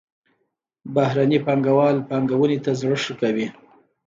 بهرني پانګوال پانګونې ته زړه ښه کوي.